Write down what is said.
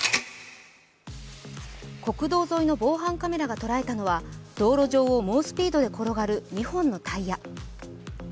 国道沿いの防犯カメラが捉えたのは道路上を猛スピードで転がる２本のタイヤ。